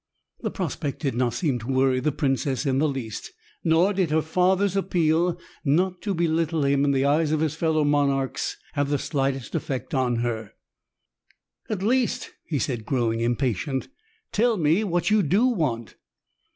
That prospect did not seem to worry the princess in the least; nor did her father's appeal not to belittle him in the eyes of his fellow monarchs have the slightest effect on her. "At least," he said, growing impatient, "tell me what you do want."